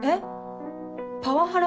パワハラ？